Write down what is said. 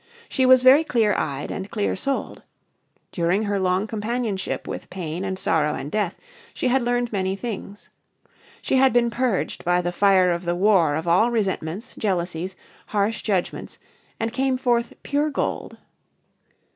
She was very clear eyed and clear souled. During her long companionship with pain and sorrow and death, she had learned many things. She had been purged by the fire of the war of all resentments, jealousies, harsh judgments, and came forth pure gold....